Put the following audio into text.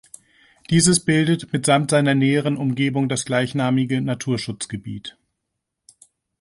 Dieses bildet mitsamt seiner näheren Umgebung das gleichnamige Naturschutzgebiet.